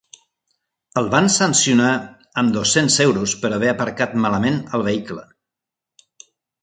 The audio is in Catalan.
El van sancionar amb dos-cents euros per haver aparcat malament el vehicle.